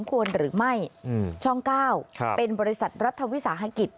ควรหรือไม่ช่อง๙เป็นบริษัทรัฐวิสาหกิจ